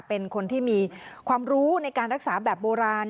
เป็นคนที่มีความรู้ในการรักษาแบบโบราณ